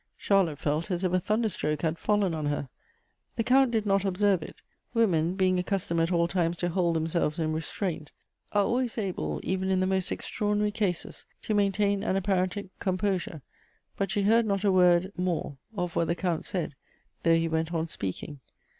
Charlotte felt as if a thunder stroke had fallen on her. The Count did not observe it : women, being accustomed at all times to hold themselves in restraint, are always able, even in the most extraordinary cases, to maintain an apparent composure ; but she heard not a word more of what the Count said, though he went on speaking.